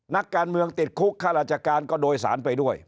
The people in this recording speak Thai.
นักการเมืองติดคุกข้าราชการก็โดยสารไปด้วย